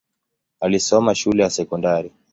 Alisoma shule ya sekondari.